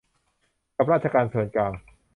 กับราชการส่วนกลาง